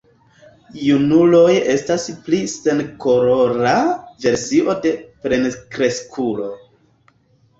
Junuloj estas pli senkolora versio de plenkreskulo.